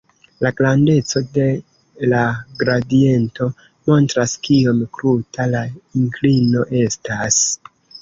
La grandeco de la gradiento montras kiom kruta la inklino estas.